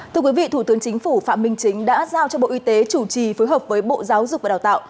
thưa quý vị thủ tướng chính phủ phạm minh chính đã giao cho bộ y tế chủ trì phối hợp với bộ giáo dục và đào tạo